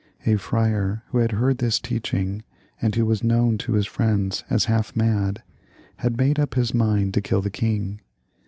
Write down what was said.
A friar, who had heard this teaching, and who was known to his friends as haK mad, had made up his mind to kill the king.